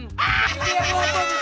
bibir lo bagus banget drek